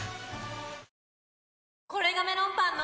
え．．．これがメロンパンの！